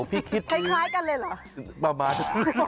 พี่คิดประมาณคล้ายกันเลยเหรอ